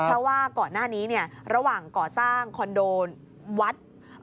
เพราะว่าก่อนหน้านี้ระหว่างก่อสร้างคอนโดวัด